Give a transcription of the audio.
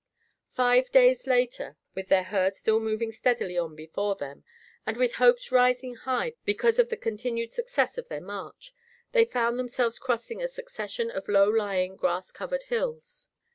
Five days later, with their herd still moving steadily on before them, and with hopes rising high because of the continued success of their march, they found themselves crossing a succession of low lying, grass covered hills.